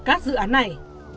các dự án này